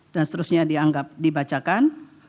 dan seterusnya dianggap dibacakan